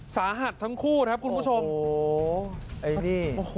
สาหัสทั้งคู่นะครับคุณผู้ชม